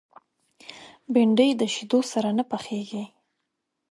بېنډۍ د شیدو سره نه پخېږي